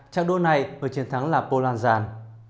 trạng đua này vừa chiến thắng là poland gian